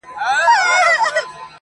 ځم چې چرته پرې د ګل منګولې سرې کړم